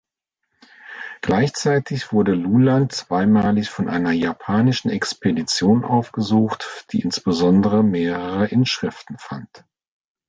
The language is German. Gleichzeitig wurde Loulan zweimal von einer japanischen Expedition aufgesucht, die insbesondere mehrere Inschriften fand.